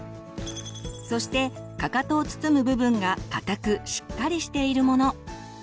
そしてかかとを包む部分が硬くしっかりしているもの。